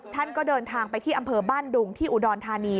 ท่านก็เดินทางไปที่อำเภอบ้านดุงที่อุดรธานี